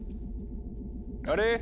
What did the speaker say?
あれ？